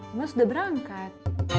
imas udah berangkat